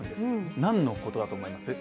何のことだと思います？